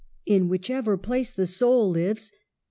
' In whichever place the soul lives.